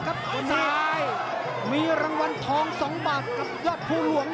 กาดเกมสีแดงเดินแบ่งมูธรุด้วย